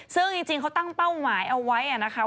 ซึ่งจริงเขาตั้งเป้าหมายเอาไว้นะคะ